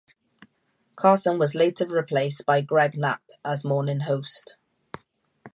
Carson was later replaced by Gregg Knapp as morning host.